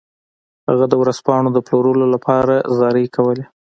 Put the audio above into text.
هغه د ورځپاڼو د پلورلو لپاره زارۍ کولې.